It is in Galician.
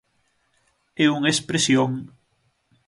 É unha expresión.